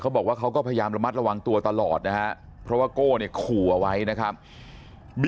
บอกว่าเขาก็พยายามระมัดระวังตัวตลอดนะฮะเพราะว่าโก้เนี่ยขู่เอาไว้นะครับ